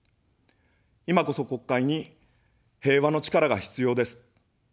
いまこそ国会に平和の力が必要です。